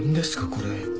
これ。